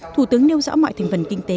thủ tướng nêu rõ mọi thành phần kinh tế